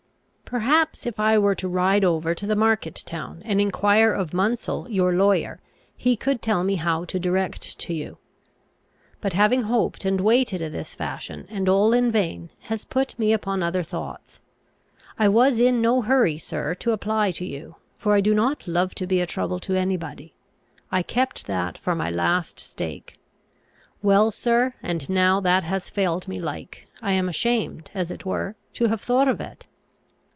"Perhaps if I were to ride over to the market town and enquire of Munsle, your lawyer, he could tell me how to direct to you. But having hoped and waited o' this fashion, and all in vain, has put me upon other thoughts. I was in no hurry, sir, to apply to you; for I do not love to be a trouble to any body. I kept that for my last stake. Well, sir, and now that has failed me like, I am ashamed, as it were, to have thought of it.